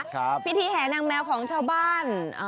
พิธีแห่นางแมวของชาวบ้าน